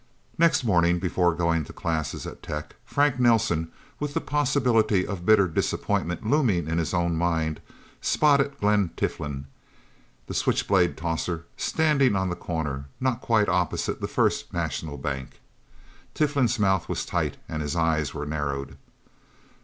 Next morning, before going to classes at Tech, Frank Nelsen, with the possibility of bitter disappointment looming in his own mind, spotted Glen Tiflin, the switch blade tosser, standing on the corner, not quite opposite the First National Bank. Tiflin's mouth was tight and his eyes were narrowed.